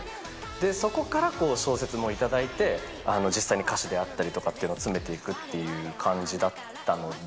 で、そこから小説も頂いて、実際に歌詞であったりとかっていうのを詰めていくっていう感じだったので。